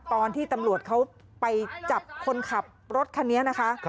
ตอนที่ตำรวจเขาไปจับคนขับรถคันนี้นะคะ